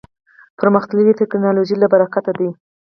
پرمختللې ټکنالوژۍ له برکته دی.